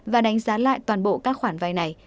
và đánh giá lại toàn bộ các khoản vay này